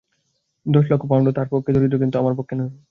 দশ লক্ষ পাউণ্ড তাঁহার পক্ষে দারিদ্র, কিন্তু আমার পক্ষে নহে।